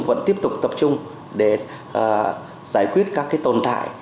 vẫn tiếp tục tập trung để giải quyết các tồn tại